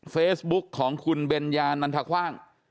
เฟซบุ๊กของคุณเบญญานันทคว่าง